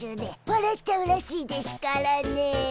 わらっちゃうらしいでしゅからね。